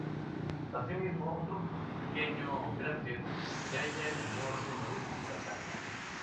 Así mismo, otro pequeño cráter se halla en el borde noreste de la planta.